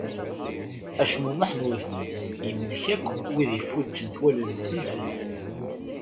Acmummeḥ n wudem-is yemlek akk wid mi fuǧent wallen-nsen fell-as.